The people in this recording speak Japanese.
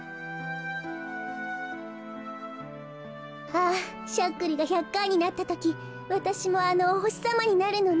あぁしゃっくりが１００かいになったときわたしもあのおほしさまになるのね。